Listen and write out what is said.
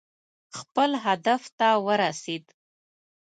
خپل هدف ته ورسېد.